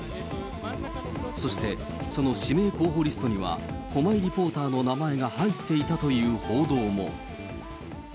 そして、その指名候補リストには、駒井リポーターの名前が入っていたという報道も。